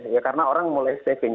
ya karena orang mulai saving